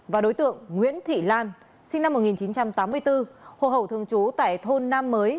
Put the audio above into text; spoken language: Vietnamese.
và đối tượng nguyễn thị lan sinh năm một nghìn chín trăm tám mươi bốn hồ hậu thường trú tại thôn nam mới